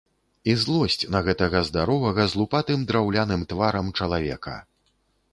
І злосць на гэтага здаровага з лупатым драўляным тварам чалавека.